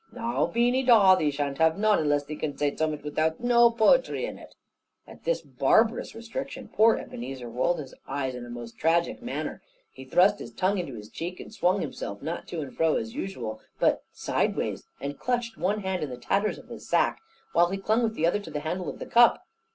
"Now, Beany Dawe, thee shan't have none, unless thee can zay zummut without no poetry in it." At this barbarous restriction, poor Ebenezer rolled his eyes in a most tragic manner; he thrust his tongue into his cheek, and swung himself, not to and fro as usual, but sideways, and clutched one hand on the tatters of his sack, while he clung with the other to the handle of the cup.